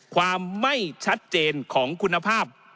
ความไม่ชัดเจนของคุณภาพ